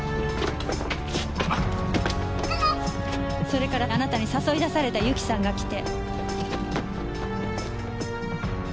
それからあなたに誘い出された由紀さんが来て。